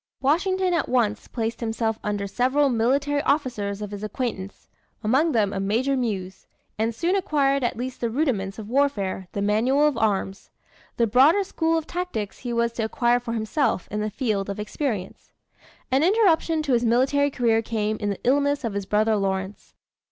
Washington at once placed himself under several military officers of his acquaintance, among them a Major Muse, and soon acquired at least the rudiments of warfare, the manual of arms. The broader school of tactics he was to acquire for himself in the field of experience. An interruption to his military career came in the illness of his brother Lawrence.